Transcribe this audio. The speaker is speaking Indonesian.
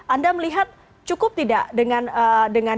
anda melihat cukup tidak dengan bagian tubuh